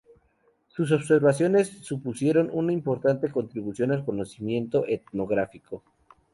Sus observaciones supusieron una importante contribución al conocimiento etnográfico.